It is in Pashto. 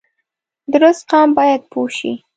درست قام باید پوه شي